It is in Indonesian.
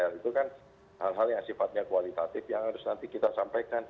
itu kan hal hal yang sifatnya kualitatif yang harus nanti kita sampaikan